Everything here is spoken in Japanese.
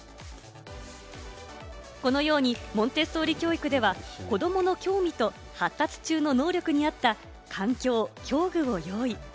このようにモンテッソーリ教育では子どもの興味と発達中の能力に合った環境・教具を用意。